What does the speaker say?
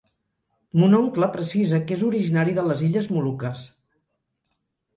Mon oncle precisa que és originari de les illes Moluques.